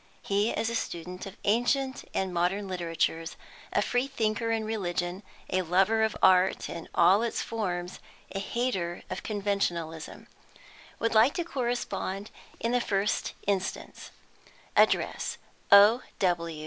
He is a student of ancient and modern literatures, a free thinker in religion, a lover of art in all its forms, a hater of conventionalism. Would like to correspond in the first instance. Address O.